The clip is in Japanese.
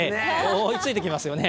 追いついてきますよね。